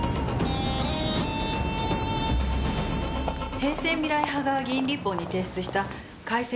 平成未来派が議員立法に提出した改正